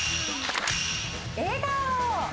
笑顔。